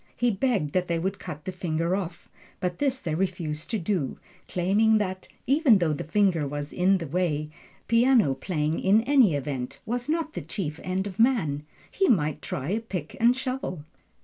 He begged that they would cut the finger off, but this they refused to do, claiming that, even though the finger was in the way, piano playing in any event was not the chief end of man he might try a pick and shovel.